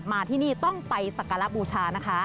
มาที่นี่ต้องไปสักการะบูชานะคะ